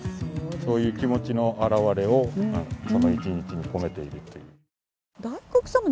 そういう気持ちの表れをこの１日に込めているという。